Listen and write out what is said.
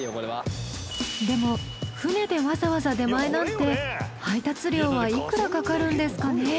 でも船でわざわざ出前なんて配達料はいくらかかるんですかね？